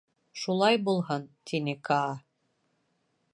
— Шулай булһын, — тине Каа.